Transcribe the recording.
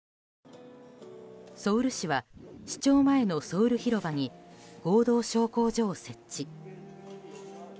ソウル市は市庁前のソウル広場に合同焼香所を設置。